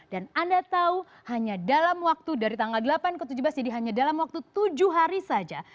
dan anda tahu hanya dalam waktu dari tanggal delapan ke tujuh belas jadi hanya dalam waktu tujuh hari saja